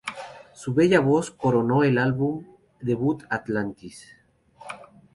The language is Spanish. Su bella voz coronó el álbum debut Atlantis.